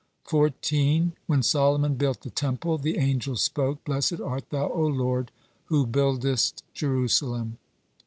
14. When Solomon built the Temple, the angels spoke: "Blessed art Thou, O Lord, who buildest Jerusalem."